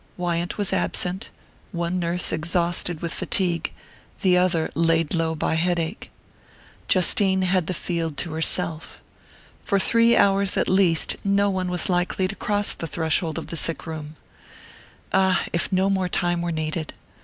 Wyant was absent, one nurse exhausted with fatigue, the other laid low by headache. Justine had the field to herself. For three hours at least no one was likely to cross the threshold of the sick room.... Ah, if no more time were needed!